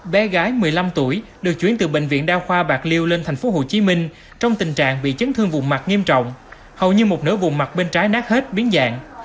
bé gái một mươi năm tuổi được chuyển từ bệnh viện đao khoa bạc liêu lên tp hcm trong tình trạng bị chấn thương vùng mặt nghiêm trọng hầu như một nửa vùng mặt bên trái nát hết biến dạng